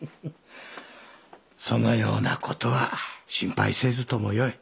そのような事は心配せずともよい。